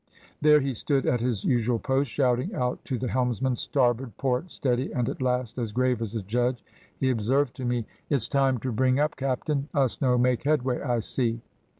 There he stood at his usual post, shouting out to the helmsman, `Starboard! port! steady!' and at last, as grave as a judge, he observed to me "`It's time to bring up, captain; us no make headway, I see.'